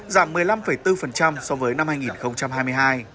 giảm một mươi năm bốn so với năm hai nghìn hai mươi hai